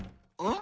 ん？